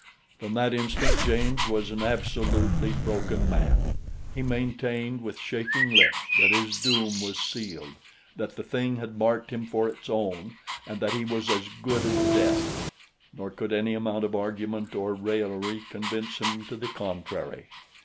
From that instant James was an absolutely broken man. He maintained with shaking lips that his doom was sealed, that the thing had marked him for its own, and that he was as good as dead, nor could any amount of argument or raillery convince him to the contrary.